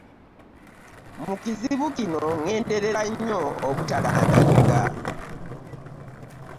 Mu kibuuzo kino, genderera nnyo obutalandagga.